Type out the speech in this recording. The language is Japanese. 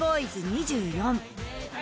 ２４